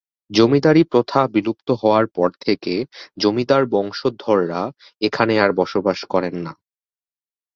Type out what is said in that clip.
জমিদারী প্রথা বিলুপ্ত হওয়ার পর থেকে জমিদার বংশধররা এখানে আর বসবাস করেন না।